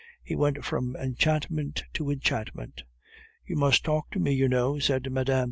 He went from enchantment to enchantment. "You must talk to me, you know," said Mme.